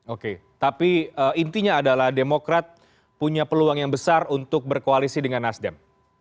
oke tapi intinya adalah demokrat punya peluang yang besar untuk berkoalisi dengan nasdem